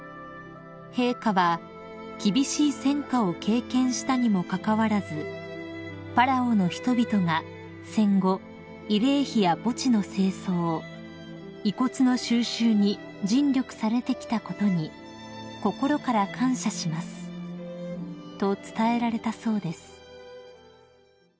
［陛下は「厳しい戦禍を経験したにもかかわらずパラオの人々が戦後慰霊碑や墓地の清掃遺骨の収集に尽力されてきたことに心から感謝します」と伝えられたそうです］